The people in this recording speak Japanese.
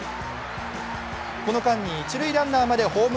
この間に一塁ランナーまでホーム